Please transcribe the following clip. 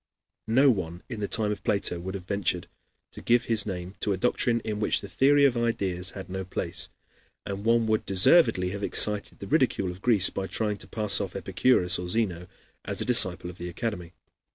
No one in the time of Plato would have ventured to give his name to a doctrine in which the theory of ideas had no place, and one would deservedly have excited the ridicule of Greece by trying to pass off Epicurus or Zeno as a disciple of the Academy.